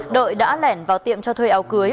đợi đã lẻn vào tiệm cho thuê áo cưới